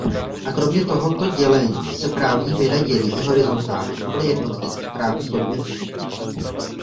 A kromě tohoto dělení se právní věda dělí i horizontálně podle jednotlivých právních odvětví.